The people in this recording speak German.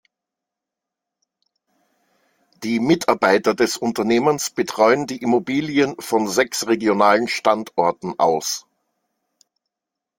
Die Mitarbeiter des Unternehmens betreuen die Immobilien von sechs regionalen Standorten aus.